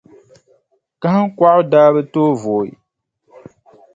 Kahiŋkɔɣu daa bi tooi vooi,